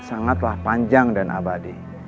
sangatlah panjang dan abadi